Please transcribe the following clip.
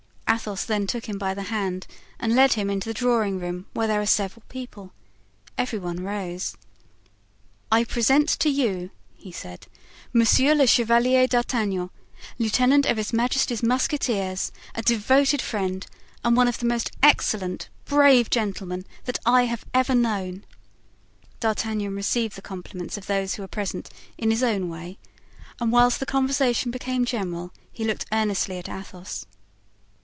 Athos then took him by the hand and led him into the drawing room, where there were several people. Every one arose. "I present to you," he said, "Monsieur le Chevalier D'Artagnan, lieutenant of his majesty's musketeers, a devoted friend and one of the most excellent, brave gentlemen that I have ever known." D'Artagnan received the compliments of those who were present in his own way, and whilst the conversation became general he looked earnestly at Athos.